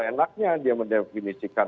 enaknya dia mendefinisikan